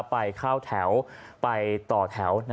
ไปเข้าแถวไปต่อแถว